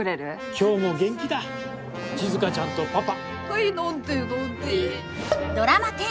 今日も元気だ静ちゃんとパパ。